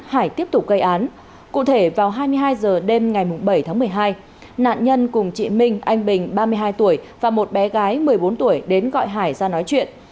hải tiếp tục gây án cụ thể vào hai mươi hai h đêm ngày bảy tháng một mươi hai nạn nhân cùng chị minh anh bình ba mươi hai tuổi và một bé gái một mươi bốn tuổi đến gọi hải ra nói chuyện